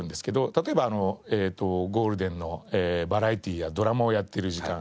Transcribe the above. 例えばゴールデンのバラエティーやドラマをやっている時間